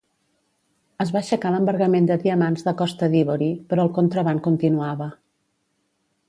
Es va aixecar l'embargament de diamants de Costa d'Ivori, però el contraban continuava.